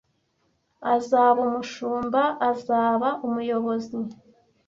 azaba umushumba azaba umuyobozi